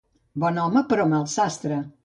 Bon home, però mal sastre.